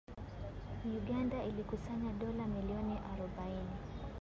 Uganda ilikusanya dola milioni arobaine